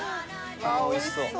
おいしそう！